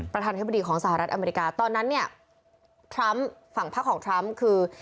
ประธานที่บดีของสหรัฐอเมริกาตอนนั้นเนี่ยฝั่งภักดิ์ของทรัมป์คือ